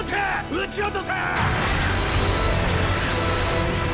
撃ち落とせ！